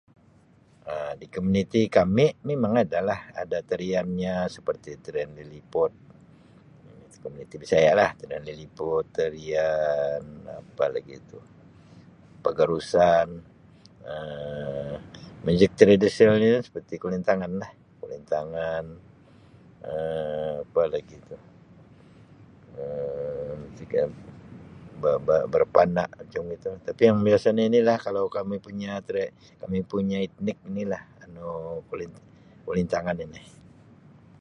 Um Di komuniti kami mimang ada lah ada tariannya seperti tarian liliput [unintelligible] komuniti Bisaya lah tarian liliput tarian Um apa lagi itu pagarusan Um muzik tradisionalnya seperti kulintangan lah kulintangan Um apa lagi tu [unintelligible] ba-ba rabana macam gitu tapi yang biasa ini lah kalau yang kami punya tra kami punya etnik ni lah anu kulin-kulintangan ini.